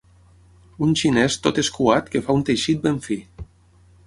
Un xinès tot escuat que fa un teixit ben fi.